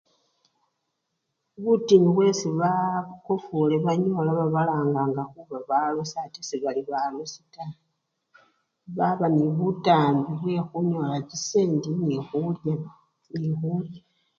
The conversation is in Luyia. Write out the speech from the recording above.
Butinyu bwesi bakofule banyola babalanganga khuba balosi ate sebali balosi taa, baba nebutambi bwekhunyola chisendi nekhurwa! nekhurya.